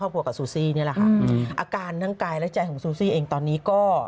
กับซูซี่นี่แหละค่ะอาการทั้งกายและใจของซูซี่เองตอนนี้ก็